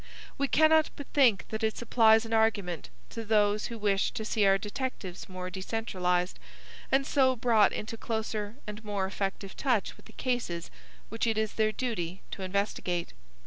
We cannot but think that it supplies an argument to those who would wish to see our detectives more decentralised, and so brought into closer and more effective touch with the cases which it is their duty to investigate."